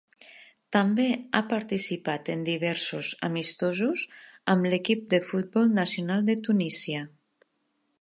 També ha participat en diversos amistosos amb l'equip de futbol nacional de Tunísia.